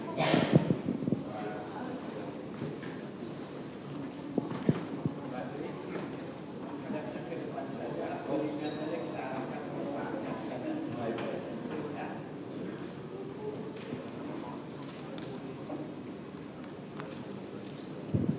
terima kasih pak